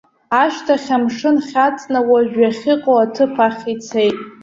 Ашьҭахь амшын хьаҵны, уажә иахьыҟоу аҭыԥ ахь ицеит.